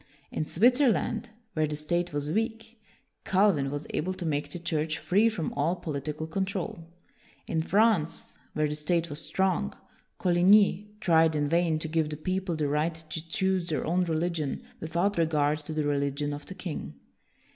In Swit zerland, where the state was weak, Calvin was able to make the Church free from all political control. In France, where 172 WILLIAM THE SILENT the state was strong, Coligny tried in vain to give the people the right to choose their own religion without regard to the religion of the king.